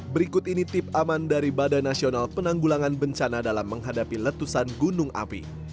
berikut ini tip aman dari badan nasional penanggulangan bencana dalam menghadapi letusan gunung api